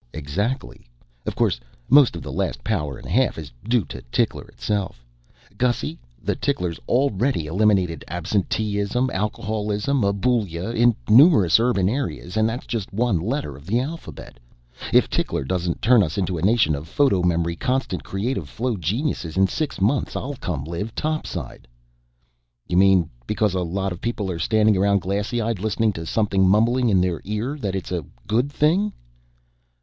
"Exactly! Of course most of the last power and a half is due to Tickler itself. Gussy, the tickler's already eliminated absenteeism, alcoholism and aboulia in numerous urban areas and that's just one letter of the alphabet! If Tickler doesn't turn us into a nation of photo memory constant creative flow geniuses in six months, I'll come live topside." "You mean because a lot of people are standing around glassy eyed listening to something mumbling in their ear that it's a good thing?"